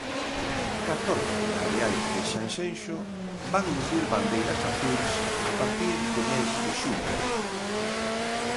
Catorce areais de Sanxenxo van lucir bandeiras azuis a partir do mes de xuño.